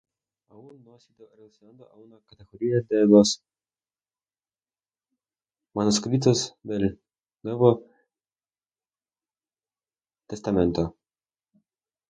Aún no ha sido relacionado a una Categoría de los manuscritos del Nuevo Testamento.